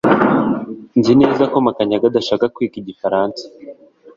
Nzi neza ko Makanyaga adashaka kwiga igifaransa